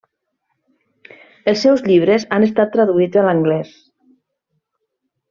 Els seus llibres han estat traduïts a l'anglès.